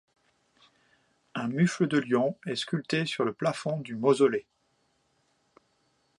Un mufle de lion est sculpté sur le plafond du mausolée.